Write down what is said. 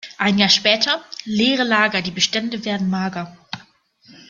Ein Jahr später: Leere Lager, die Bestände werden mager.